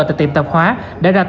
tại tiệm tạp hóa